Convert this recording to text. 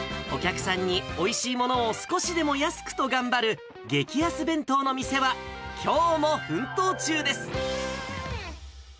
お客さんに、おいしいものを少しでも安くと頑張る、激安弁当の店は、きょうも奮闘中です。